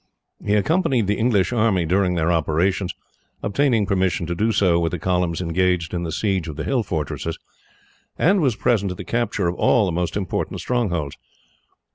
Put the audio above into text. He accompanied the English army during their operations, obtaining permission to go with the columns engaged in the siege of the hill fortresses, and was present at the capture of all the most important strongholds.